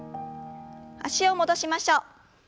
脚を戻しましょう。